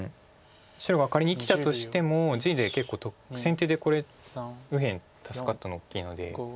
白が仮に生きたとしても地で結構先手でこれ右辺助かったの大きいので。